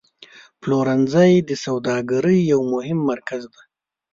پلورنځی د سوداګرۍ یو مهم مرکز دی.